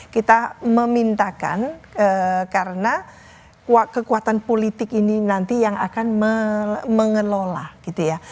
kita memintakan karena kekuatan politik ini nanti yang akan mengelola gitu ya